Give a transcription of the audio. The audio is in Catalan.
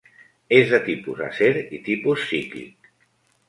És de tipus acer i tipus psíquic.